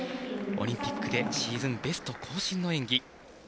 オリンピックでシーズンベスト更新の演技。